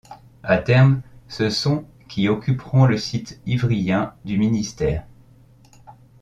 À terme, ce sont qui occuperont le site ivryen du ministère.